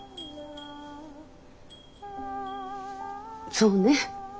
そうね。